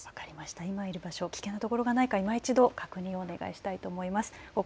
今いる場所、危険なところがないかいま一度確認をお願いしたいと思います。